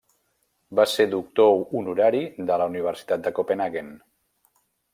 Va ser doctor honorari de la Universitat de Copenhaguen.